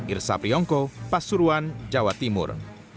irsa priyongko pasuruan jawa timur